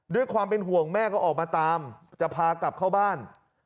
ด้วยความเป็นห่วงแม่ก็ออกมาตามจะพากลับเข้าบ้าน